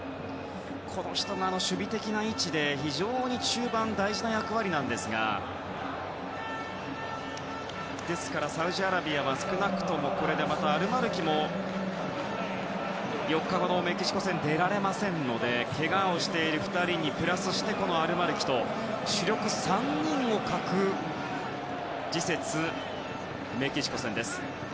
この人は守備的な位置で中盤の非常に大事な役割ですがですからサウジアラビアは少なくとも、これでアルマルキも４日後のメキシコ戦出られませんのでけがをしている２人にプラスしてこのアルマルキと主力３人を欠く次節メキシコ戦です。